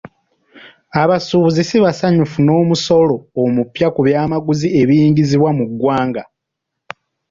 Abasuubuzi si basanyufu n'omusolo omupya ku byamaguzi ebiyingizibwa mu ggwanga.